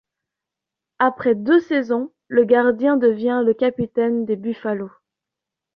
Après deux saisons, le gardien devient le capitaine des Buffalos.